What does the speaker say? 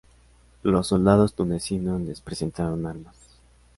Los soldados tunecinos les presentaron armas.